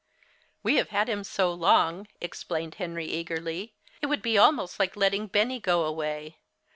"We have had him so long," explained Henry, eagerly, "it would be almost like letting Benny go away.